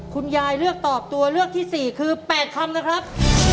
คุณยายเลือกตอบตัวเลือกที่๔คือ๘คำนะครับ